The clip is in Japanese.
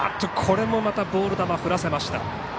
これもまたボール球を振らせました。